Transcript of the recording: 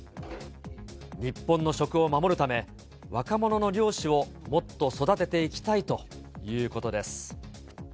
日本の食を守るため、若者の漁師をもっと育てていきたいということです。